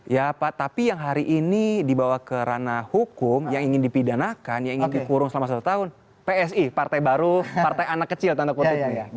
ya pak tapi yang hari ini dibawa ke ranah hukum yang ingin dipidanakan yang ingin dikurung selama satu tahun psi partai baru partai anak kecil tanda kutip